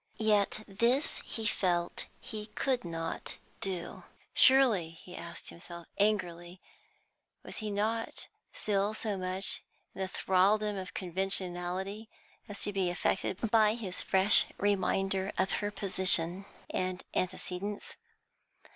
Yet this he felt he could not do. Surely he asked himself angrily he was not still so much in the thraldom of conventionality as to be affected by his fresh reminder of her position and antecedents?